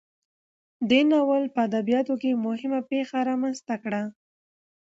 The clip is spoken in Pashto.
دې ناول په ادبیاتو کې مهمه پیښه رامنځته کړه.